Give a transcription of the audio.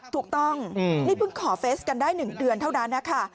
ถูกต้องนี่เพิ่งขอเฟสกันได้๑เดือนเท่านั้นนะคะ